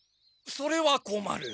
それはこまる。